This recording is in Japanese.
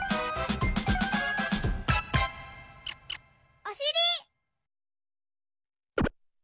おしり！